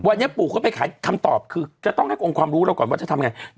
วันนี้ปู่เขาไปขายคำตอบคือจะต้องให้องค์ความรู้เราก่อนว่าจะทำไง